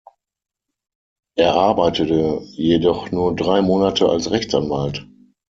Er arbeitete jedoch nur drei Monate als Rechtsanwalt.